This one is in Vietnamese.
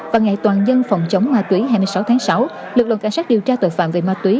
và ngày toàn dân phòng chống ma túy hai mươi sáu tháng sáu lực lượng cảnh sát điều tra tội phạm về ma túy